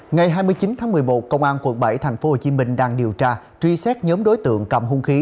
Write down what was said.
ngày hai mươi chín tháng một mươi một công an quận bảy tp hcm đang điều tra truy xét nhóm đối tượng cầm hung khí